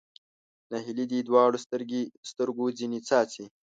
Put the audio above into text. ناهیلي دې دواړو سترګو ځنې څاڅي